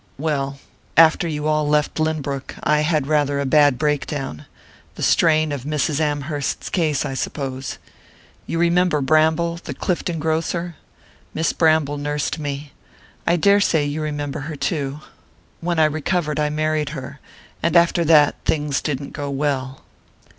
"Well after you all left Lynbrook I had rather a bad break down the strain of Mrs. Amherst's case, I suppose. You remember Bramble, the Clifton grocer? Miss Bramble nursed me I daresay you remember her too. When I recovered I married her and after that things didn't go well."